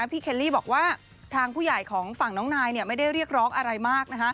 เคลลี่บอกว่าทางผู้ใหญ่ของฝั่งน้องนายไม่ได้เรียกร้องอะไรมาก